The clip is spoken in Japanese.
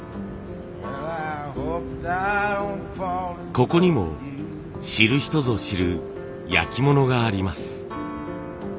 ここにも知る人ぞ知る焼き物があります。